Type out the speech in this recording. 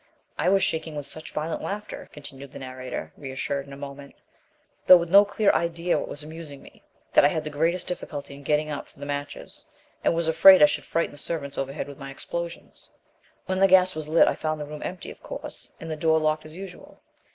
"I was shaking with such violent laughter," continued the narrator, reassured in a moment, "though with no clear idea what was amusing me, that I had the greatest difficulty in getting up for the matches, and was afraid I should frighten the servants overhead with my explosions. When the gas was lit I found the room empty, of course, and the door locked as usual.